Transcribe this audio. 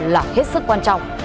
là hết sức quan trọng